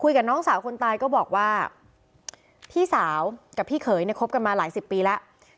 กับน้องสาวคนตายก็บอกว่าพี่สาวกับพี่เขยเนี่ยคบกันมาหลายสิบปีแล้ว